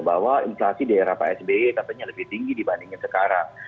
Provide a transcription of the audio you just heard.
bahwa inflasi di era psb katanya lebih tinggi dibandingkan sekarang